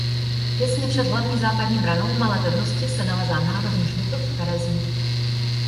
Těsně před hlavní západní branou Malé pevnosti se nalézá Národní hřbitov Terezín.